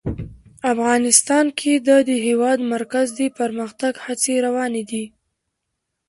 افغانستان کې د د هېواد مرکز د پرمختګ هڅې روانې دي.